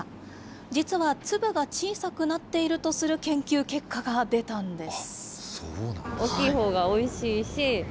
実は粒が小さくなっているとする研究結果が出たんです。